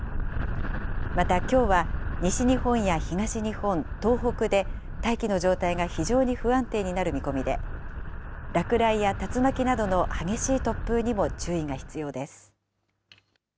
またきょうは西日本や東日本、東北で、大気の状態が非常に不安定になる見込みで、落雷や竜巻などの激しい突風にも十分注意が必要です。